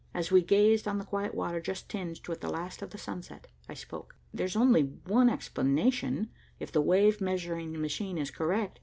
As we gazed on the quiet water just tinged with the last of the sunset, I spoke. "There's only one explanation, if the wave measuring machine is correct.